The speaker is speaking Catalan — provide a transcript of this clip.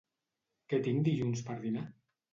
Què tinc dilluns per dinar?